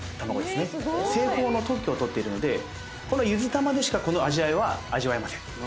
製法の特許を取っているのでこのゆずたまでしかこの味わいは味わえません。